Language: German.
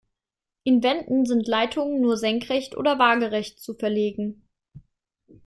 In Wänden sind Leitungen nur senkrecht oder waagerecht zu verlegen.